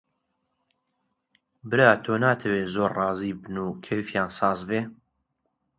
برا تۆ ناتەوێ زۆر ڕازی بن و کەیفیان ساز بێ؟